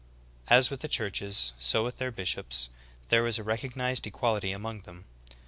"^ v^ 5. As with the churches, so with their bishops, — there was a recognized equality among them.